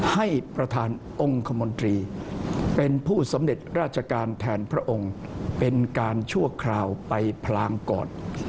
ให้ประธานองค์คมนตรีเป็นผู้สำเร็จราชการแทนพระองค์เป็นการชั่วคราวไปพลางก่อน